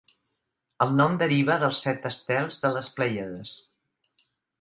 El nom deriva del set estels de les Plèiades.